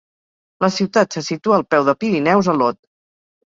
La ciutat se situa al peu de Pirineus a l'Aude.